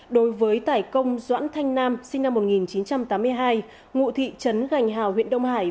đối với tải công doãn thanh nam sinh năm một nghìn chín trăm tám mươi hai ngụ thị trấn gành hào huyện đông hải